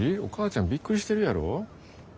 お母ちゃんびっくりしてるやろ。